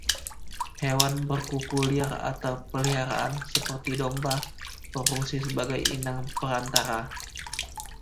Hewan berkuku liar atau peliharaan, seperti domba, berfungsi sebagai inang perantara.